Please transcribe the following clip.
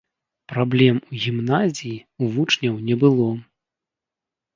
Праблем у гімназіі ў вучняў не было.